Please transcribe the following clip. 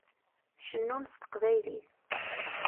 Tcennum s teqbaylit.